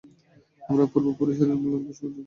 আমার পূর্ব পুরুষেরা নির্ভুলতা বেশ পছন্দ করতেন।